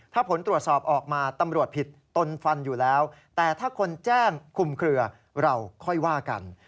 ถ้าผลตรวจสอบออกมาตำรวจผิดตนฟันอยู่แล้วแต่ถ้าคนแจ้งคุมเครือเราค่อยว่ากัน